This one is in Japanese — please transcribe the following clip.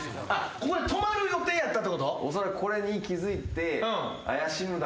ここで止まる予定やったってこと？